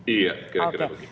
iya kira kira begitu